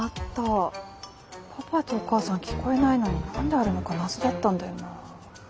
パパとお母さん聞こえないのに何であるのか謎だったんだよな。